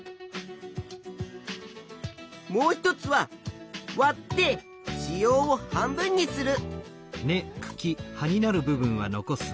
もう一つはわって子葉を半分にする。